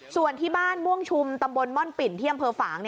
ส่วนที่บ้านม่วงชุมตำบลม่อนปิ่นที่อำเภอฝาง